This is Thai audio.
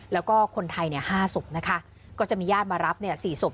แล้วก็คนไทย๕ศพนะคะก็จะมีญาติมารับ๔ศพ